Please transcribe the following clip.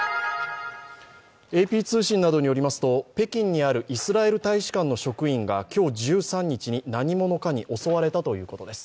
ＡＰ通信などによりますと北京にあるイスラエル大使館の職員が今日、１３日に何者かに襲われたということです。